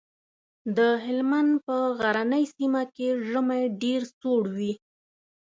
د هلمند په غرنۍ سيمه کې ژمی ډېر سوړ وي.